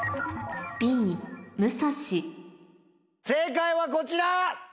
正解はこちら！